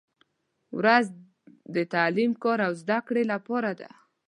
• ورځ د تعلیم، کار او زدهکړې لپاره ده.